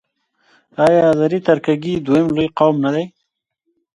آیا آذری ترکګي دویم لوی قوم نه دی؟